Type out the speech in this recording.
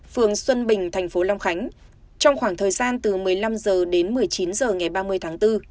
phường xuân bình thành phố long khánh trong khoảng thời gian từ một mươi năm h đến một mươi chín h ngày ba mươi tháng bốn